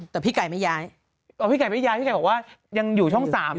แต่พี่ไก่ไม่ย้ายพี่ไก่ไม่ย้ายพี่ไก่บอกว่ายังอยู่ช่อง๓